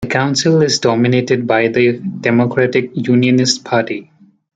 The Council is dominated by the Democratic Unionist Party.